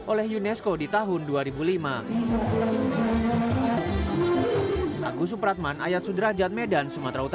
oleh unesco di tahun dua ribu lima